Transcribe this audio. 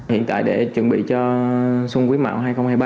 hiện tại để chuẩn bị cho xuân quý mạo hai nghìn hai mươi ba